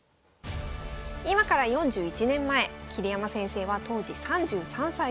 今から４１年前桐山先生は当時３３歳です。